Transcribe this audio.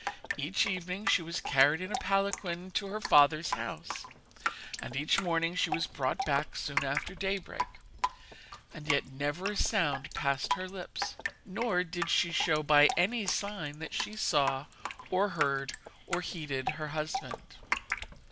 Each evening she was carried in a palanquin to her father's house, and each morning she was brought back soon after daybreak; and yet never a sound passed her lips, nor did she show by any sign that she saw, or heard, or heeded her husband.